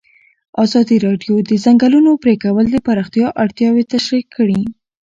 ازادي راډیو د د ځنګلونو پرېکول د پراختیا اړتیاوې تشریح کړي.